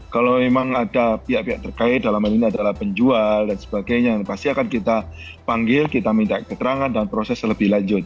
kalau memang ada pihak pihak terkait dalam hal ini adalah penjual dan sebagainya pasti akan kita panggil kita minta keterangan dan proses lebih lanjut